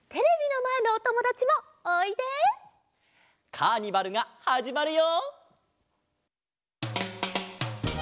カーニバルがはじまるよ。